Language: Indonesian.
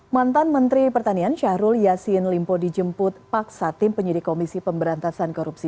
mantan menteri pertanian syahrul yassin limpo dijemput paksa tim penyidik komisi pemberantasan korupsi